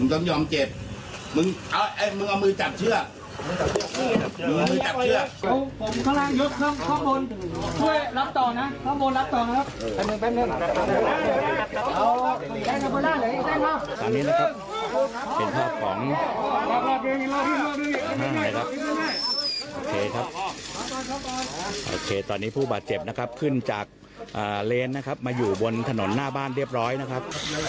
ตอนนี้ผู้บาดเจ็บตอนนี้ผู้บาดเจ็บนะครับขึ้นจากเลนนะครับมาอยู่บนถนนหน้าบ้านเรียบร้อยนะครับ